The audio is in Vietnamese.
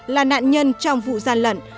là nạn nhân trong vụ gian lận